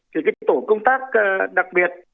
thì tổ công tác đặc biệt